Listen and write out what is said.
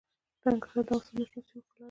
ننګرهار د افغانستان د شنو سیمو ښکلا ده.